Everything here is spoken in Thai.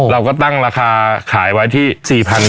เราก็ตั้งราคาขายไว้ที่๔๐๐บาท